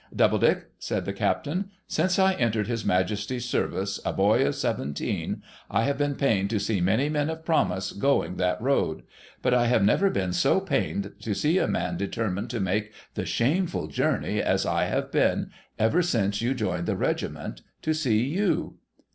' Doubledick,' said the Captain, ' since I entered his Majesty's service, a boy of seventeen, I have been pained to see many men of promise going that road ; but I have never been so pained to see a man determined to make the shameful journey as I have been, ever since you joined the regiment, to see you.'